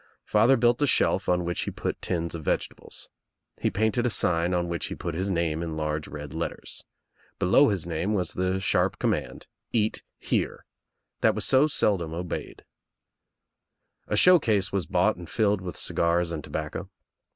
Father built a shelf on which he put tins of vegetables. He painted a sign on which he put his name in large red letters. Below his name was the sharp command — "eat here" — that was so sel dom obeyed, A show case was bought and filled with cigars and tobacco.